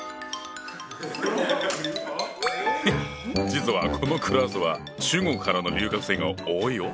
実はこのクラスは中国からの留学生が多いよ。